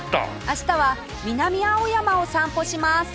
明日は南青山を散歩します